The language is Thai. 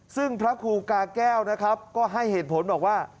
ซึ่งพระครูกาแก้วนะครับก็ให้เหตุผลบอกว่า